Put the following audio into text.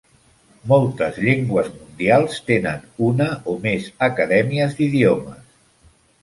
Moltes llengües mundials tenen una o més acadèmies d'idiomes.